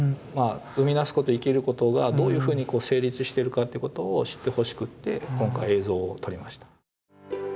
まあ生みだすこと生きることがどういうふうに成立してるかってことを知ってほしくって今回映像を撮りました。